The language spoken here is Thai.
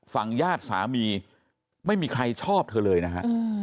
ญาติสามีไม่มีใครชอบเธอเลยนะฮะ